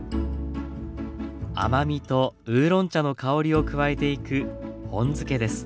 甘みとウーロン茶の香りを加えていく本漬けです。